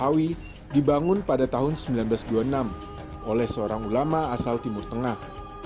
awi dibangun pada tahun seribu sembilan ratus dua puluh enam oleh seorang ulama asal timur tengah